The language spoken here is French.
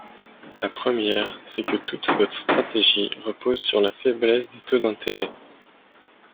La première, c’est que toute votre stratégie repose sur la faiblesse des taux d’intérêt.